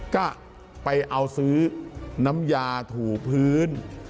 ก็ไปเอาซื้อน้ำยาถูพื้น